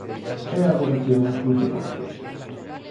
E agora chegan as consecuencias.